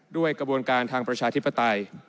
ด้วยกระบวนการทางประชาธิปไตย